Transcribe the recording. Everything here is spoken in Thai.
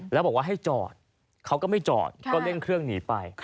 แล้วบอกว่าให้จอดเขาก็ไม่จอดก็เร่งเครื่องหนีไป